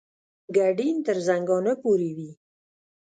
ګډین تر زنګانه پورې وي.